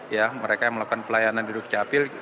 ya mereka yang melakukan pelayanan di dukcapil